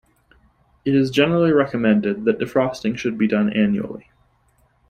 It is generally recommended that defrosting should be done annually.